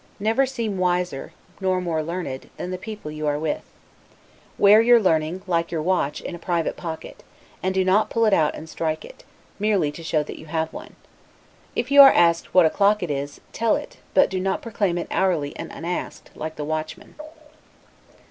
Never seem wiser, nor more learned, than the people you are with. Wear your learning, like your watch, in a private pocket: and do not pull it out and strike it; merely to show that you have one. If you are asked what o'clock it is, tell it; but do not proclaim it hourly and unasked, like the watchman.